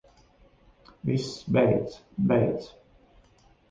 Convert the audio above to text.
Viss, beidz. Beidz.